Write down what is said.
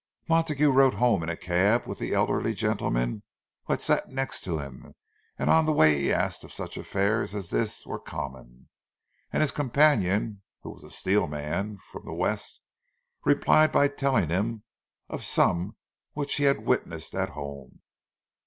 Montague rode home in a cab with the elderly gentleman who had sat next to him; and on the way he asked if such affairs as this were common. And his companion, who was a "steel man" from the West, replied by telling him of some which he had witnessed at home.